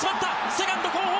セカンド後方。